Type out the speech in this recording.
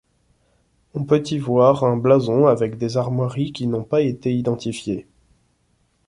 On peut y voir un blason avec des armoiries qui n'ont pas été identifiées.